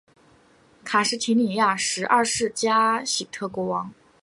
卡什提里亚什二世加喜特国王。